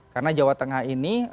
karena jawa tengah ini